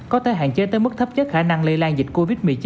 có thể hạn chế tới mức thấp nhất khả năng lây lan dịch covid một mươi chín